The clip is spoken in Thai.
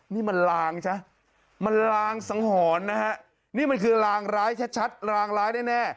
นี่มันลางซะมันลางสังหรณ์นะฮะนี่มันคือลางร้ายชัดรางร้ายแน่